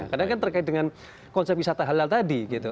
karena kan terkait dengan konsep wisata halal tadi gitu